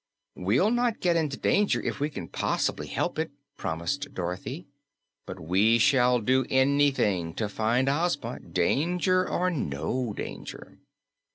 "We'll not get into danger if we can poss'bly help it," promised Dorothy, "but we shall do anything to find Ozma, danger or no danger."